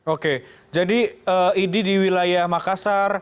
oke jadi idi di wilayah makassar